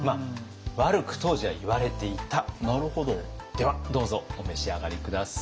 ではどうぞお召し上がり下さい。